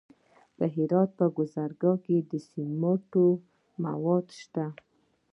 د هرات په ګذره کې د سمنټو مواد شته.